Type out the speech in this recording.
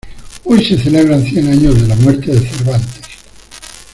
Hoy se celebran cien años de la muerte de Cervantes.